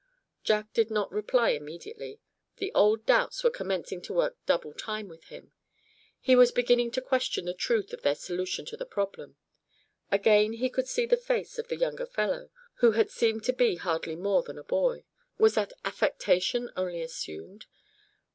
Jack did not reply immediately. The old doubts were commencing to work double time with him. He was beginning to question the truth of their solution of the problem. Again he could see the face of the younger fellow, who had seemed to be hardly more than a boy. Was that affectation only assumed?